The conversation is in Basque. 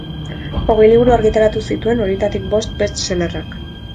Hogei liburu argitaratu zituen, horietatik bost best-sellerrak.